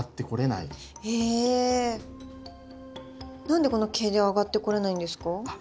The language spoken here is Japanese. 何でこの毛で上がってこれないんですか？